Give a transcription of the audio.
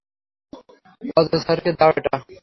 অজয় স্যারকে দাও এটা।